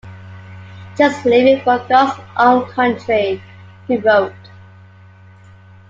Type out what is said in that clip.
"Just leaving for God's own country," he wrote.